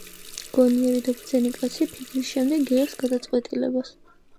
გონიერი და ბრძენი კაცი ფიქრის შემდეგ იღებს გადაწყვეტილებას.